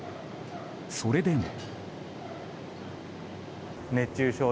それでも。